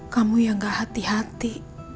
kamu yang gak hati hati